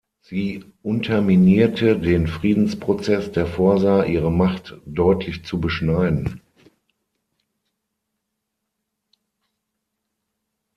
Sie unterminierte den Friedensprozess, der vorsah, ihre Macht deutlich zu beschneiden.